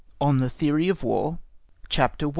ON THE THEORY OF WAR CHAPTER I.